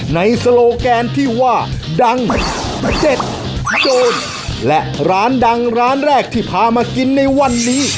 โซโลแกนที่ว่าดังเจ็ดโจรและร้านดังร้านแรกที่พามากินในวันนี้